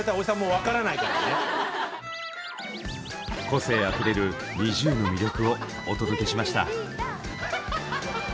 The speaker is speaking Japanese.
個性あふれるＮｉｚｉＵの魅力をお届けしました！